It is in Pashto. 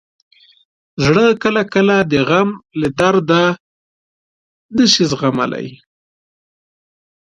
زړه کله کله د غم له درده نه شي زغملی.